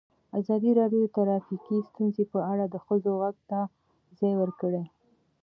ازادي راډیو د ټرافیکي ستونزې په اړه د ښځو غږ ته ځای ورکړی.